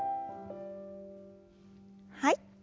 はい。